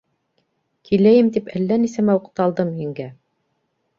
Киләйем тип әллә нисәмә уҡталдым, еңгә.